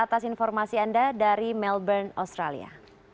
terima kasih anda dari melbourne australia